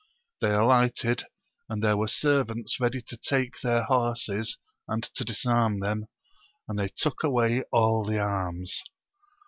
They alighted, and there were servants ready to take their horses^ and to disarm them, and they took away all the arms.